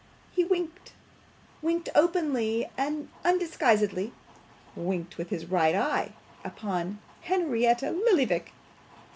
He winked winked openly and undisguisedly; winked with his right eye upon Henrietta Lillyvick!